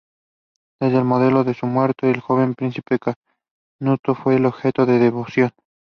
Desde el momento de su muerte, el joven príncipe Canuto fue objeto de devoción.